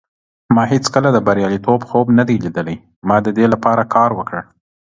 ما هیڅکله د بریالیتوب خوب نه دی لیدلی. ما د دې لپاره کار وکړ.